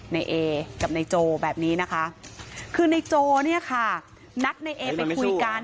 ในเอกับนายโจแบบนี้นะคะคือในโจเนี่ยค่ะนัดในเอไปคุยกัน